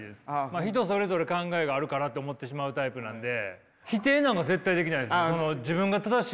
人それぞれ考えがあるからって思ってしまうタイプなんで。